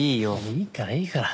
いいからいいから。